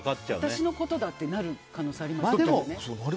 私のことだってなる可能性ありますね。